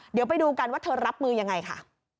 เดี๋ยวไปดูกันว่าเธอรับมือยังไงค่ะ